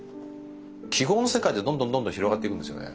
記号の世界でどんどんどんどん広がっていくんですよね。